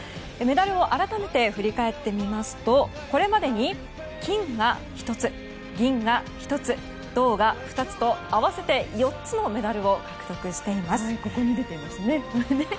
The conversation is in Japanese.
メダルを改めて振り返ってみますとこれまでに金が１つ、銀が１つ、銅が２つと合わせて４つのメダルを獲得しています。